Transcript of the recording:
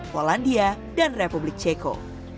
polandia dan republik ceko